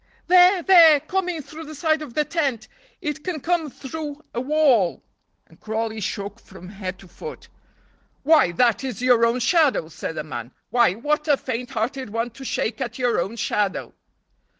"There! there! coming through the side of the tent. It can come through a wall!" and Crawley shook from head to foot. "Why, that is your own shadow," said the man. "Why, what a faint hearted one to shake at your own shadow."